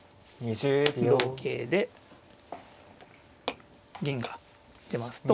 同桂で銀が出ますと。